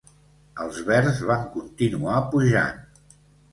Els verds van continuar pujant.